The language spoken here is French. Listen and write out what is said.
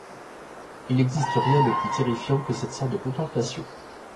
Il n’existe rien de plus terrifiant que cette sorte de contemplation.